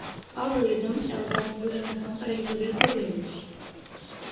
Algorithm é usado em programação para resolver problemas.